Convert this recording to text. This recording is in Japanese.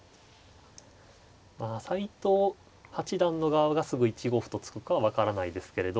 まあ斎藤八段の側がすぐ１五歩と突くかは分からないですけれど。